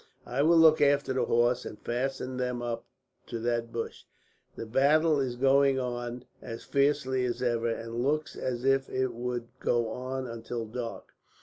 I will look after the horses, and fasten them up to that bush. The battle is going on as fiercely as ever, and looks as if it would go on until dark.